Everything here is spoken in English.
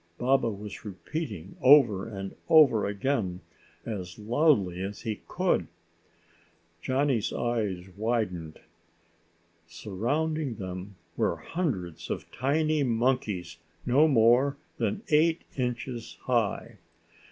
Baba was repeating over and over again as loudly as he could. Johnny's eyes widened. Surrounding them were hundreds of tiny monkeys no more than eight inches high.